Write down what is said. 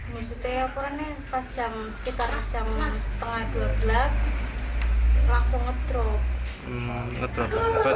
maksudnya ya pas jam sekitar jam setengah dua belas langsung ngedrop